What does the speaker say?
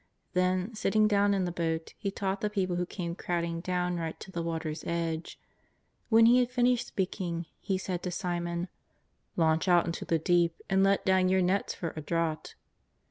Then, sitting down in the boat. He taught the people who came crowd ing down right to the water's edge. When He had finished speaking He said to Simon: '^ Launch out into the deep and let down your nets if or a draught."